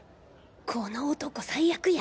この男最悪や。